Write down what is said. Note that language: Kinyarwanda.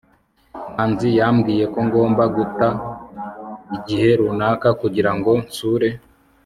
manzi yambwiye ko ngomba guta igihe runaka kugira ngo nsure